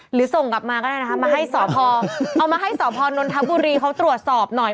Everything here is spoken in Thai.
ส่งกลับมาก็ได้นะคะมาให้สพเอามาให้สพนนทบุรีเขาตรวจสอบหน่อย